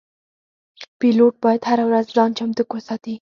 پیلوټ باید هره ورځ ځان چمتو وساتي.